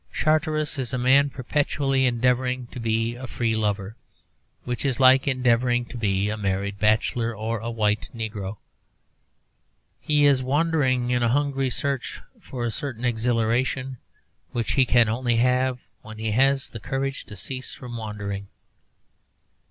Charteris is a man perpetually endeavouring to be a free lover, which is like endeavouring to be a married bachelor or a white negro. He is wandering in a hungry search for a certain exhilaration which he can only have when he has the courage to cease from wandering.